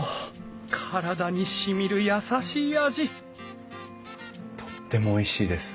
体にしみる優しい味とってもおいしいです。